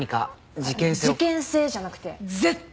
事件性じゃなくて絶対事件。